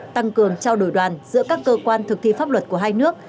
tăng cường trao đổi đoàn giữa các cơ quan thực thi pháp luật của hai nước